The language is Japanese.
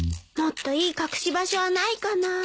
もっといい隠し場所はないかな。